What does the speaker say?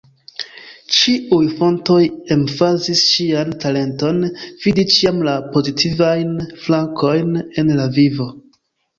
Ĉiuj fontoj emfazis ŝian talenton vidi ĉiam la pozitivajn flankojn en la vivo.